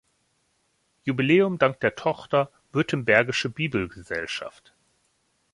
Jubiläum dank der Tochter "Württembergische Bibelgesellschaft".